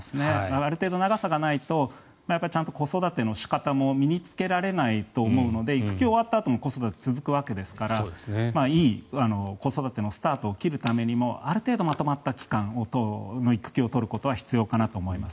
ある程度長さがないとちゃんと子育ての仕方も身に着けられないと思うので育休が終わったあとも子育ては続くわけですからいい子育てのスタートを切るためにもある程度、まとまった期間の育休を取ることは必要かなと思います。